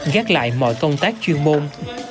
gác lại mọi công tác chuyên môn